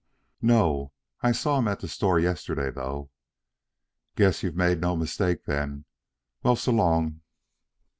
"No. I saw him at the store yesterday, though." "Guess you've made no mistake then. Well, so long."